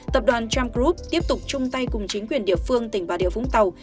tập đoàn tram group tiếp tục chung tay cùng chính quyền địa phương tỉnh bà điều vũng tàu